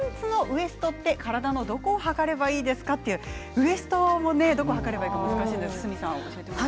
ウエストのどこを測ればいいか難しいですね。